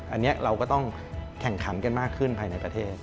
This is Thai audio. อันนี้เราก็ต้องแข่งขันกันมากขึ้นภายในประเทศ